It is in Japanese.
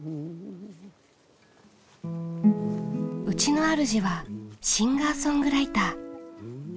うちのあるじはシンガーソングライター。